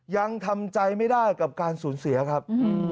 ยังทำใจไม่ได้กับการสูญเสียครับ